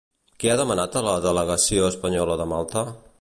Què ha demanat a la delegació espanyola de Malta?